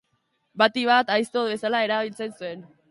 Batik bat, aizto bezala erabiltzen zen.